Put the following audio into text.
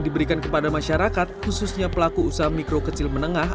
diberikan kepada masyarakat khususnya pelaku usaha mikro kecil menengah